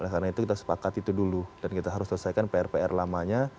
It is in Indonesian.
karena itu kita sepakat itu dulu dan kita harus selesaikan pr pr lamanya